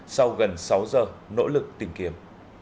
sau gần sáu giờ nỗ lực tìm kiếm